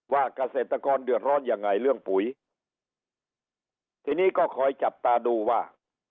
เกษตรกรเดือดร้อนยังไงเรื่องปุ๋ยทีนี้ก็คอยจับตาดูว่า